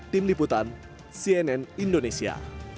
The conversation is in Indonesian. tim liputan cnn indonesia